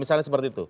misalnya seperti itu